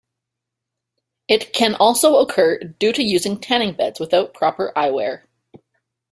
It can also occur due to using tanning beds without proper eyewear.